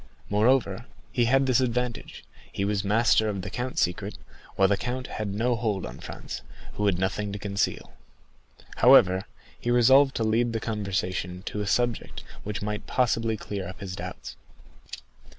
Moreover, he had this advantage, he was master of the count's secret, while the count had no hold on Franz, who had nothing to conceal. However, he resolved to lead the conversation to a subject which might possibly clear up his doubts.